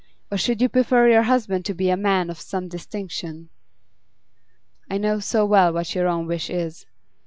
Or should you prefer your husband to be a man of some distinction?' 'I know so well what your own wish is.